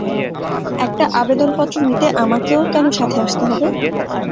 একটা আবেদন পত্র নিতে আমাকেও কেন সাথে আসতে হবে?